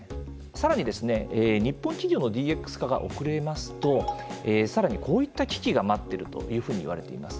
さらにですね日本企業のＤＸ化が遅れますとさらに、こういった危機が待っているというふうにいわれてます。